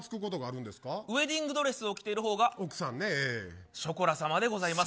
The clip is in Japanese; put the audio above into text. ウエディングドレスを着ている方が奥さまでショコラさまでございます。